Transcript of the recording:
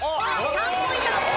３ポイントです。